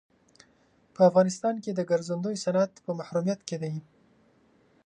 په افغانستان کې د ګرځندوی صنعت په محرومیت کې دی.